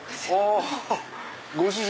ご主人。